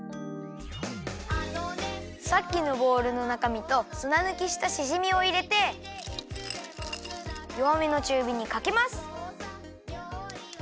さっきのボウルのなかみとすなぬきしたしじみをいれてよわめのちゅうびにかけます！